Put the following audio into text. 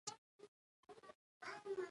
تاسو په انځور کې څه شی وینئ؟